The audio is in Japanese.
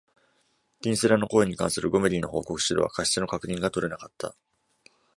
キンセラの行為に関するゴメリーの報告書では、過失の確認が取れなかった。